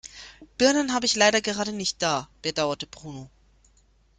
Birnen habe ich leider gerade nicht da, bedauerte Bruno.